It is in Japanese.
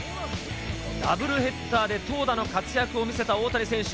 ダブルヘッダーで投打の活躍を見せた大谷選手。